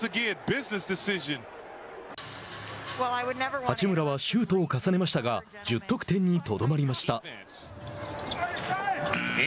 八村はシュートを重ねましたが１０得点にとどまりました。